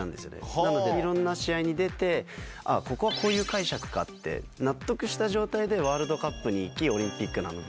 なので、いろんな試合に出て、ここはこういう解釈かって納得した状態でワールドカップに行き、オリンピックなので。